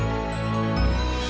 tapi perlahan lebih kesini